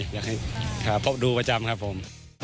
อยากให้พบดูประจำครับผม